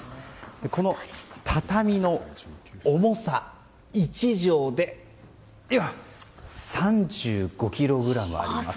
この畳の重さ１畳で３５ｋｇあります。